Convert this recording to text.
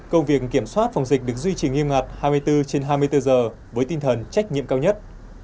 công việc kiểm soát phòng dịch được duy trì nghiêm ngặt hai mươi bốn trên hai mươi bốn giờ với tinh thần trách nhiệm cao nhất